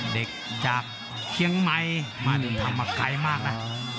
เด็กจากเคียงใหม่มาถึงธรรมไกรมากน่ะ